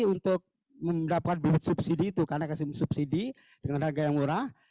untuk mendapatkan duit subsidi itu karena kasih subsidi dengan harga yang murah